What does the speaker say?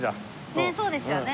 ねっそうですよね。